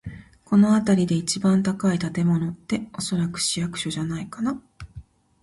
この辺りで一番高い建物って、おそらく市役所じゃないかな。